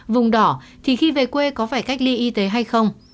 vùng đỏ thì khi về quê có phải cách ly y tế hay không